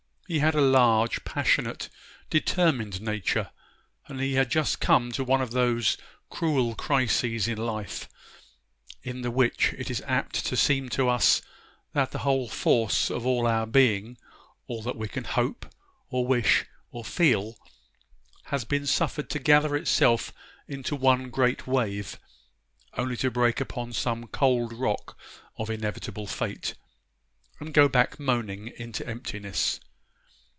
He had a large, passionate, determined nature; and he had just come to one of those cruel crises in life, in the which it is apt to seem to us that the whole force of our being—all that we can hope, or wish, or feel—has been suffered to gather itself into one great wave, only to break upon some cold rock of inevitable fate, and go back moaning into emptiness.